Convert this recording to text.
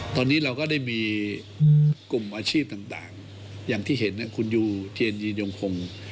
ตอนนี้เราก็ได้มีกลุ่มอาชีพต่างอย่างที่เห็นคุณยูเทียนยืนยงคง